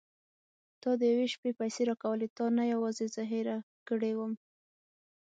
تا د یوې شپې پيسې راکولې تا نه یوازې زه هېره کړې وم.